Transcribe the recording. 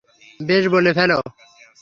বেশ, বলে ফেলো।